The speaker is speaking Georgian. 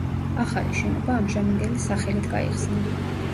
ახალი შენობა ამჟამინდელი სახელით გაიხსნა.